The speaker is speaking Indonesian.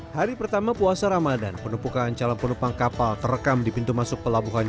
hari pertama puasa ramadan penumpukan calon penumpang kapal terekam di pintu masuk pelabuhan